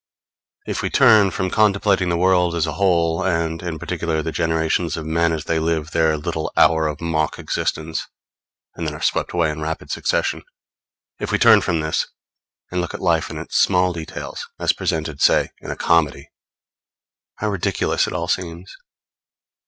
If we turn from contemplating the world as a whole, and, in particular, the generations of men as they live their little hour of mock existence and then are swept away in rapid succession; if we turn from this, and look at life in its small details, as presented, say, in a comedy, how ridiculous it all seems!